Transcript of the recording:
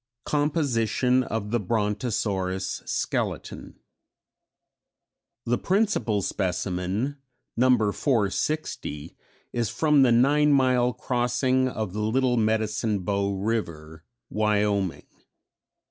Composition of the Brontosaurus Skeleton. "The principal specimen, No. 460, is from the Nine Mile Crossing of the Little Medicine Bow River, Wyoming.